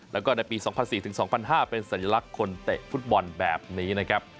แล้วก็ในปี๒๐๐๔๒๐๐๕เป็นสัญลักษณ์คนเตะฟุตบอลแบบนี้นะครับ